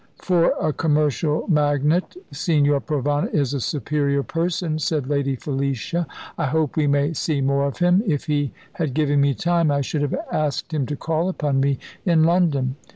"For a commercial magnate, Signor Provana is a superior person," said Lady Felicia. "I hope we may see more of him. If he had given me time, I should have asked him to call upon me in London."